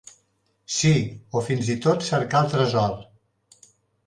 Sí, o fins i tot cercar el tresor.